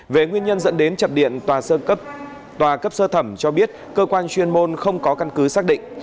về nguyên nhân dẫn đến chập điện tòa cấp sơ thẩm cho biết cơ quan chuyên môn không có căn cứ xác định